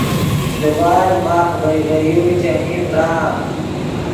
دیبال ماخ ڤئے ڤے یو چیمین پرآم